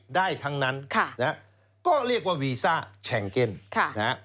ได้ทั้งนั้นก็เรียกว่าวีซ่าแชงเก็นนะฮะ